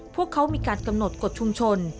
พวกเขามีการกำหนดกฎชุมชน